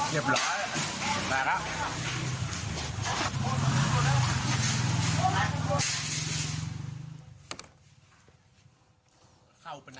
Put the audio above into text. เย็บหรอมาแล้ว